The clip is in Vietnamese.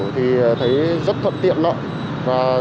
thì thấy rất thuận tiện lắm